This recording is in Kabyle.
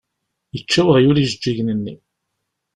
Yečča weɣyul ijeǧǧigen-nni.